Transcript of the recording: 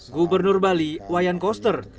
gubernur bali wayan koster